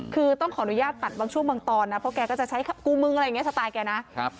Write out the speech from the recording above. คือต้องขออนุญาตตัดบางช่วงบางตอนนะเพราะแกก็จะใช้กูมึงอะไรอย่างนี้สไตล์แกนะครับ